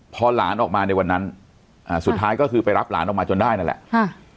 พอหลานออกมาในวันนั้นอ่าสุดท้ายก็คือไปรับหลานออกมาจนได้นั่นแหละค่ะ